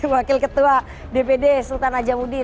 wakil ketua dpd sultan ajamudin